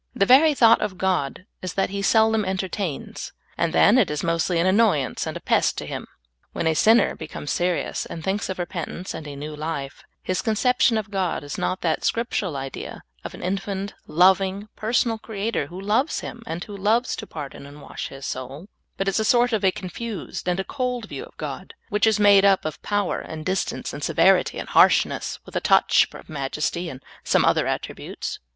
The very thought of God is that He seldom enter tains, and then it is mostly an annoyance and a pest to Him. When a vsinner becomes serious, and chinks of repentance and a new life, his conception of God is not that Scriptural idea of an infinite, loving, personal Creator, who loves him, and who loves to pardon and wash his soul, but it is a sort of confused and a cold I40 SOUL FOOD. view of God, which is made up of power, and distance, and severit}', and harshness, with a touch of majesty and some other attributes.